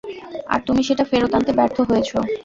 আর তুমি সেটা ফেরত আনতে ব্যর্থ হয়েছ।